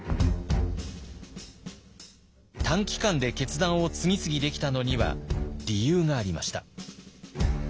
短期間で決断を次々できたのには理由がありました。